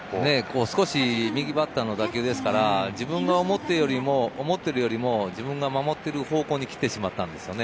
少し右バッターの打球ですから自分が思っているよりも、自分が守っている方向に来てしまったんですよね。